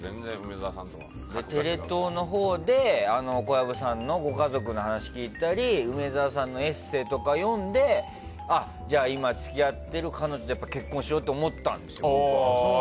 テレ東のほうで小籔さんのご家族の話を聞いたり梅沢さんのエッセーとか読んで今、付き合ってる彼女と結婚しようと思った。